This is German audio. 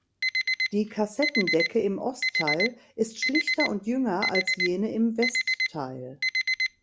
Die Kassettendecke im Ostteil ist schlichter und jünger als jene im Westteil.